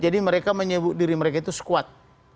jadi mereka menyebut diri mereka itu sekuat